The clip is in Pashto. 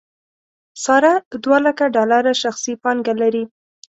ساره دولکه ډالر شخصي پانګه لري.